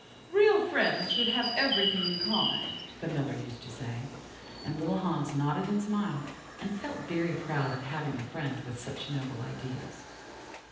"'Real friends should have everything in common,' the Miller used to say, and little Hans nodded and smiled, and felt very proud of having a friend with such noble ideas.